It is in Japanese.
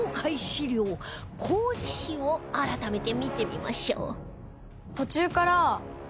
資料工事誌を改めて見てみましょう